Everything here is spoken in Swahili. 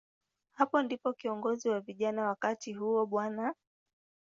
Hapo ndipo kiongozi wa vijana wakati huo, Bw.